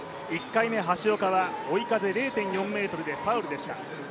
１回目、橋岡は追い風０．４ｍでファウルでした。